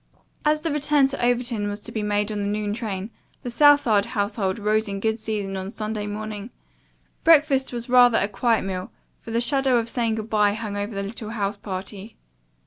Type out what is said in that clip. As the return to Overton was to be made on the noon train, the Southard household rose in good season on Sunday morning. Breakfast was rather a quiet meal, for the shadow of saying good bye hung over the little house party.